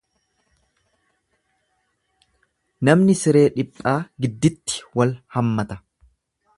Namni siree dhiphaa gidditti wal hammata.